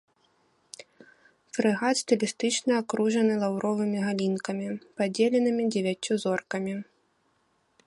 Фрэгат стылістычна акружаны лаўровымі галінкамі, падзеленымі дзевяццю зоркамі.